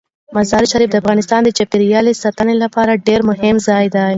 مزارشریف د افغانستان د چاپیریال ساتنې لپاره ډیر مهم ځای دی.